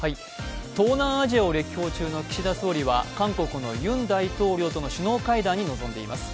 東南アジアを歴訪中の岸田総理は韓国のユン大統領との首脳会談に臨んでいます。